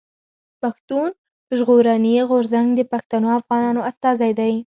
پښتون ژغورني غورځنګ د پښتنو افغانانو استازی دی.